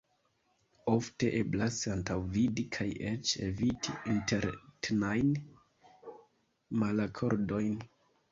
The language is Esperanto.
Ofte eblas antaŭvidi kaj eĉ eviti interetnajn malakordojn.